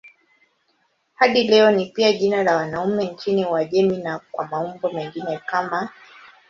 Hadi leo ni pia jina la wanaume nchini Uajemi na kwa maumbo mengine kama